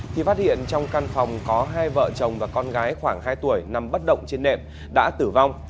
thì phát hiện trong căn phòng có hai vợ chồng và con gái khoảng hai tuổi nằm bất động trên nệm đã tử vong